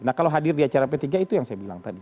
nah kalau hadir di acara p tiga itu yang saya bilang tadi